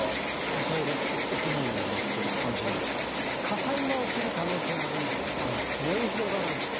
火災は起きる可能性あるんですが燃え広がらない。